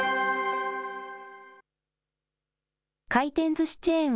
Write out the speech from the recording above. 回転ずしチェーン